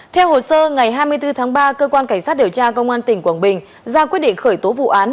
theo hồ sơ ngày hai mươi bốn tháng ba cơ quan cảnh sát điều tra công an tp thủ đức ra quyết định khởi tố vụ án